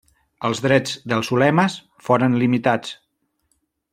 Els drets dels ulemes foren limitats.